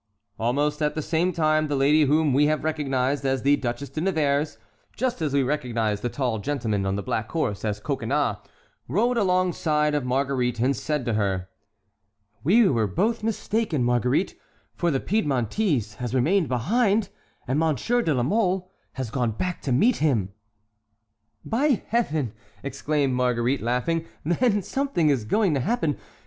Almost at the same time the lady whom we have recognized as the Duchesse de Nevers, just as we recognized the tall gentleman on the black horse as Coconnas, rode alongside of Marguerite and said to her: "We were both mistaken, Marguerite, for the Piedmontese has remained behind and Monsieur de la Mole has gone back to meet him." "By Heaven!" exclaimed Marguerite, laughing, "then something is going to happen.